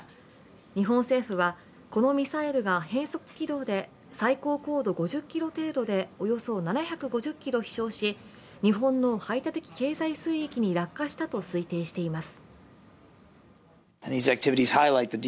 日本政府はこのミサイルが変速軌道で最高高度５０ｋｍ程度で、およそ７５０ｋｍ飛しょうし日本の排他的経済水域に落下したと推定しています。